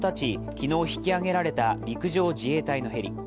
昨日、引き揚げられた陸上自衛隊のヘリ。